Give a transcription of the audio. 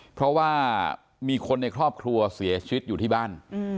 เพราะว่ามีคนในครอบครัวเสียชีวิตอยู่ที่บ้าน